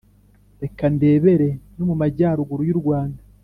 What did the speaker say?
“reka ndebere no mumajya-ruguru y’u rwanda!